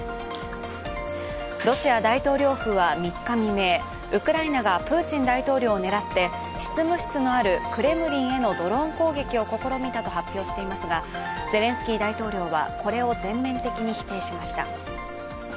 ロシア大統領府は３日未明、ウクライナがプーチン大統領を狙って執務室のあるクレムリンへのドローン攻撃を試みたと発表していますが、ゼレンスキー大統領はこれを全面的に否定しました。